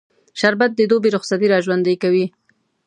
شربت د دوبی رخصتي راژوندي کوي